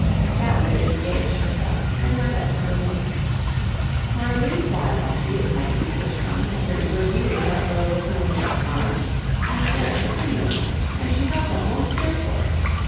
Sally disengaged herself, and went up to her room. For a brief while the excitement which comes of hearing good news about those of whom we are fond acted as a stimulant, and she felt almost cheerful.